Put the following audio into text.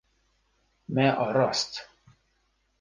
Me arast.